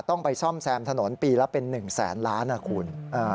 ต้องไปซ่อมแซมถนนปีละเป็น๑แสนล้านนะคุณ